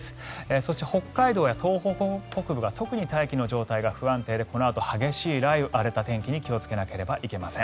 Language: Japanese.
そして北海道や東北北部が特に大気の状態が不安定でこのあと激しい雷雨荒れた天気に気をつけなければいけません。